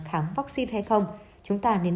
khám vaccine hay không chúng ta nên